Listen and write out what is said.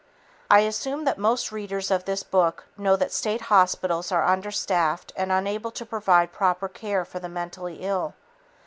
I assume that most readers of this book know that state hospitals are understaffed and unable to provide proper care for the mentally ill.